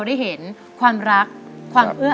ไปดูกันนะครับว่าผิดตรงไก่ร้องก็คือ